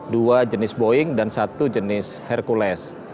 dua jenis boeing dan satu jenis hercules